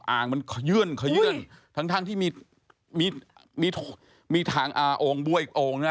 อ่างมันเหยื่อนเขยื่อนทั้งที่มีทางโอ่งบลวิเคราะห์อีกโรงนะ